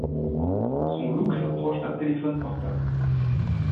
Son look s'approche d'un téléphone portable.